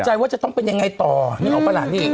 ตกใจว่าจะต้องเป็นยังไงต่อนึกออกป่ะหลังที่วันนี้